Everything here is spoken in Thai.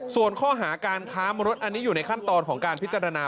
ส่วนข้อหาการค้ามนุษย์อันนี้อยู่ในขั้นตอนของการพิจารณา